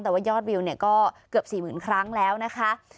แต่ว่ายอดวิวเนี่ยก็เกือบ๔๐๐๐ครั้งแล้วนะคะ